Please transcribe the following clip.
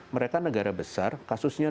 mereka negara besar kasusnya